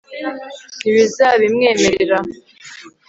ntibazabimwemerera